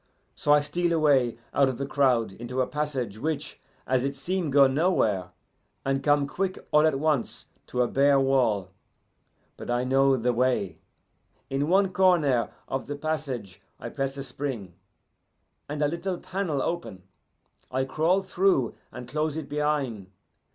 So I steal away out of the crowd into a passage which, as it seem, go nowhere, and come quick, all at once, to a bare wall. But I know the way. In one corner of the passage I press a spring, and a little panel open. I crawl through and close it behin'.